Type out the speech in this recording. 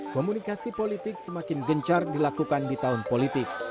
komunikasi politik semakin gencar dilakukan di tahun politik